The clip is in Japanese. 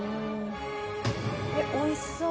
おいしそう。